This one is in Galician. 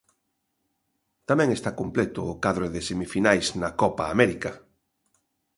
Tamén está completo o cadro de semifinais na Copa América.